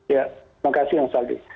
ya terima kasih mas aldi